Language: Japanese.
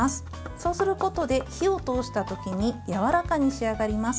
そうすることで火を通したときにやわらかに仕上がります。